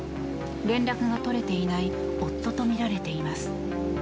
連絡が取れていない夫とみられています。